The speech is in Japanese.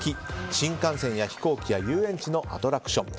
新幹線や飛行機や遊園地のアトラクション